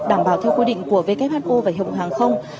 đảm bảo theo quy định của who và hiệp hội hàng không